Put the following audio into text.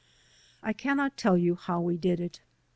I cannot tell you how we did it.